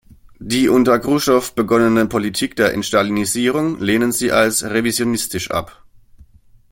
Die unter Chruschtschow begonnene Politik der Entstalinisierung lehnen sie als "revisionistisch" ab.